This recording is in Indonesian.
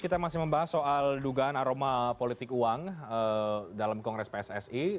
kita masih membahas soal dugaan aroma politik uang dalam kongres pssi